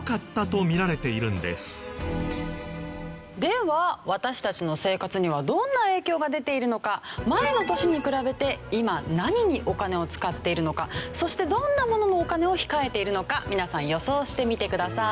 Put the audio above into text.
では私たちの生活にはどんな影響が出ているのか前の年に比べて今何にお金を使っているのかそしてどんなもののお金を控えているのか皆さん予想してみてください。